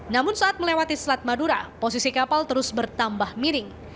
namun saat melewati selat madura posisi kapal terus bertambah miring